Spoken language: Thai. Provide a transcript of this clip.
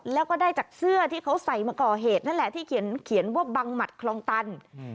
แล้วก็ได้จากเสื้อที่เขาใส่มาก่อเหตุนั่นแหละที่เขียนว่าบังหมัดคลองตัน